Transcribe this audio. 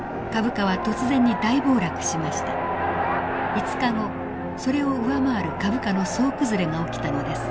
５日後それを上回る株価の総崩れが起きたのです。